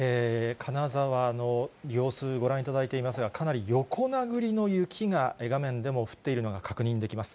金沢の様子、ご覧いただいていますが、かなり横殴りの雪が、画面でも降っているのが確認できます。